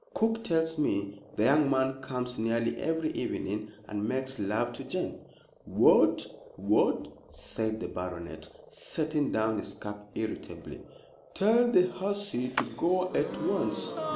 "Cook tells me the young man comes nearly every evening, and makes love to Jane!" "What! what!" said the baronet, setting down his cup irritably. "Tell the hussy to go at once.